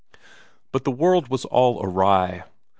But the world was all awry.